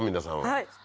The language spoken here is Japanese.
はい。